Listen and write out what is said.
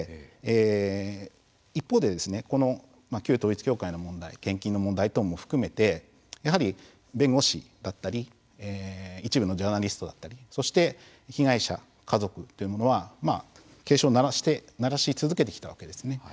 一方で、旧統一教会の問題献金の問題を含めてやはり、弁護士だったり一部のジャーナリストだったりそして被害者、家族というものは警鐘を鳴らし続けてきたわけです。